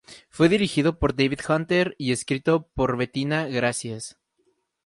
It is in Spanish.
Fue dirigido por David Hunter y escrito por Bettina Gracias.